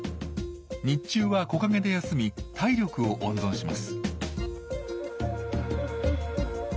日中は木陰で休み体力を温存します。